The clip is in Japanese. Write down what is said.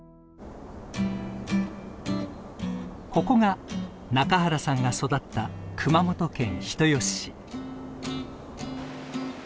ここが中原さんが育った熊本県人吉市。